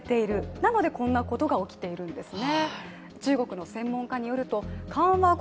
なのでこんなことが起きているんですね。